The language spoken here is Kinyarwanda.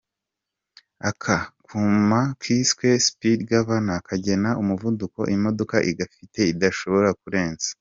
Aka kuma kiswe speed governor kagena umuvuduko imodoka igafite idashobora kurenza.